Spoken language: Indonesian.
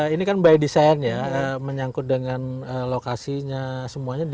ini kan by design ya menyangkut dengan lokasinya semuanya